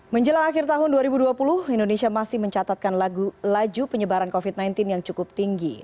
menjelang akhir tahun dua ribu dua puluh indonesia masih mencatatkan laju penyebaran covid sembilan belas yang cukup tinggi